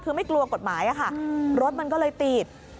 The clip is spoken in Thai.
คือไม่กลัวกฎหมายค่ะรถมันก็เลยติด